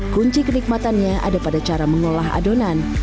kunci kenikmatannya ada pada cara mengolah adonan